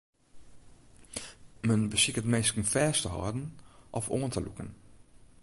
Men besiket minsken fêst te hâlden of oan te lûken.